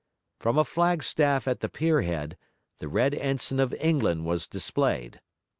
From a flagstaff at the pierhead, the red ensign of England was displayed.